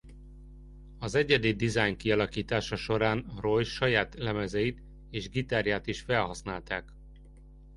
Az egyedi design kialakítása során Roy saját lemezeit és gitárját is felhasználták.